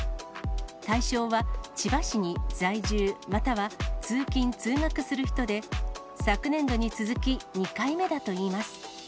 対象は、千葉市に在住または通勤・通学する人で、昨年度に続き２回目だといいます。